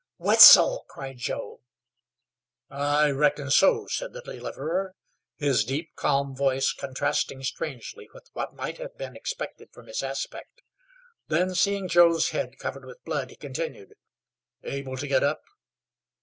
"Wetzel!" cried Joe. "I reckon so," said the deliverer, his deep, calm voice contrasting strangely with what might have been expected from his aspect. Then, seeing Joe's head covered with blood, he continued: "Able to get up?"